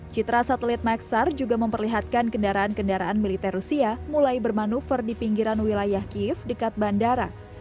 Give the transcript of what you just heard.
citra satelit maxar juga memperlihatkan kendaraan kendaraan militer rusia mulai bermanuver di pinggiran wilayah kiev dekat bandara